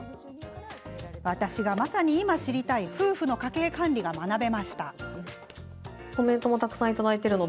私の、まさに今知りたい夫婦の家計管理術が学べました。